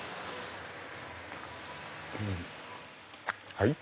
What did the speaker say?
はい？